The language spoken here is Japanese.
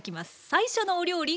最初のお料理